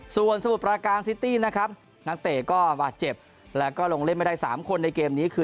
ส่วนสมุทรประการซิตี้นะครับนักเตะก็บาดเจ็บแล้วก็ลงเล่นไม่ได้๓คนในเกมนี้คือ